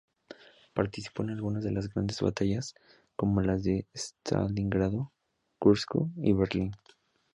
Participó en algunas de las grandes batallas, como las de Stalingrado, Kursk y Berlín.